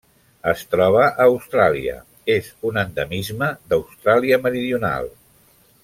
Es troba a Austràlia: és un endemisme d'Austràlia Meridional.